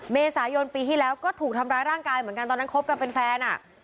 เมษายนปีที่แล้วก็ถูกทำร้ายร่างกายเหมือนกันตอนนั้นคบกันเป็นแฟนอ่ะ